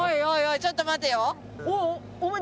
ちょっと待てよ。